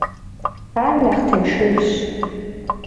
Ар нэхъ тыншыжщ.